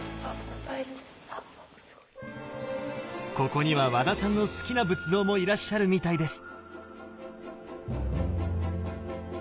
ここには和田さんの好きな仏像もいらっしゃるみたいです！